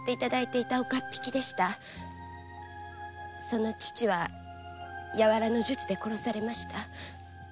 その父は柔術で殺されました。